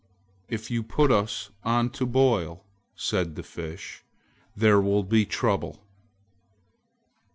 "If you put us on to boil," said the Fish, "there will be trouble."